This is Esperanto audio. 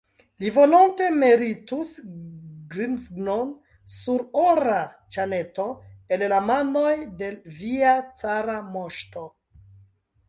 Li volonte meritus grivnon sur ora ĉeneto el la manoj de via cara moŝto.